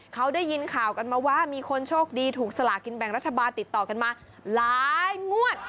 เขาได้ยินข่าวกันมาว่ามีคนโชคดีถูกสลากินแบ่งรัฐบาลติดต่อกันมาหลายงวด